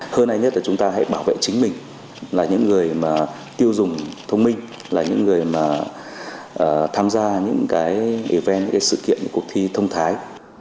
hơn hay nhất là chúng ta hãy bảo vệ chính mình là những người mà tiêu dùng thông minh là những người mà tham gia những cái even những cái sự kiện những cuộc thi thông thái